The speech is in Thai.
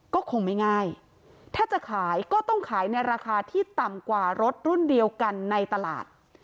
ก็คงไม่ง่ายถ้าจะขายก็ต้องขายในราคาที่ต่ำกว่ารถรุ่นเดียวกันในตลาด